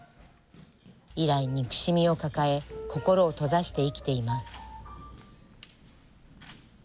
以来、憎しみを抱え心を閉ざして生きています。